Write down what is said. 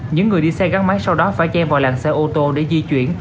những người đi xe gắn máy sau đó phải chen vào làng xe ô tô để di chuyển